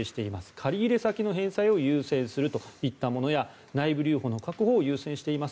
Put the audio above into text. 借入先の返済を優先するといったものや内部留保の確保を優先しています